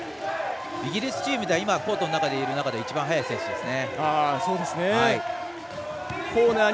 イギリスチームのコートの中にいる選手で一番速い選手ですね。